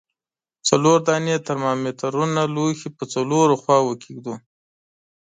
څلور دانې ترمامترونه لوښي په څلورو خواو کې ږدو.